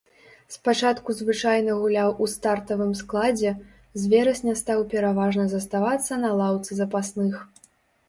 Спачатку звычайна гуляў у стартавым складзе, з верасня стаў пераважна заставацца на лаўцы запасных.